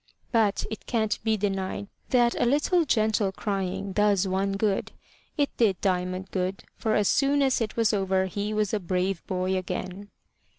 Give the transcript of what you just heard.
But it can't be denied that a little gentle crying does one good. It did Diamond good; for as soon as it was over he was a brave boy again.